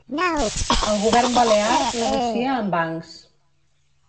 El govern balear negocia amb bancs